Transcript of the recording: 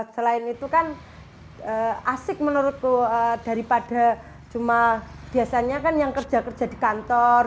selain itu kan asik menurutku daripada cuma biasanya kan yang kerja kerja di kantor